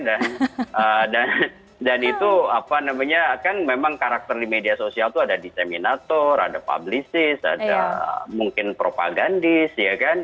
dan itu apa namanya kang memang karakter media sosial itu ada disseminator ada publicist ada mungkin propagandist ya kan